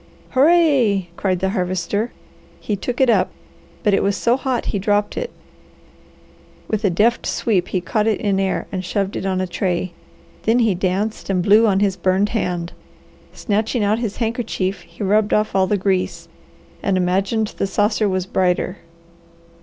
"Hooray!" cried the Harvester. He took it up, but it was so hot he dropped it. With a deft sweep he caught it in air, and shoved it on a tray. Then he danced and blew on his burned hand. Snatching out his handkerchief he rubbed off all the grease, and imagined the saucer was brighter.